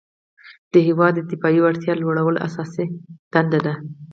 د هیواد دفاعي وړتیا لوړول اساسي دنده ده.